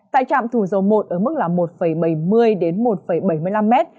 tại trạm thủ dầu một ở mức là một bảy mươi đến một bảy mươi năm m